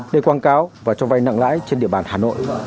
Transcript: để quảng cáo và cho vay nặng lãi trên địa bàn hà nội